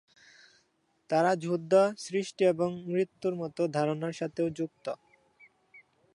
তাঁরা যুদ্ধ, সৃষ্টি এবং মৃত্যুর মতো ধারণার সাথেও যুক্ত।